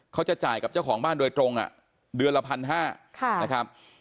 เขาจะจ่ายกับเจ้าของบ้านโดยตรงอ่ะเดือนละพันห้าค่ะนะครับ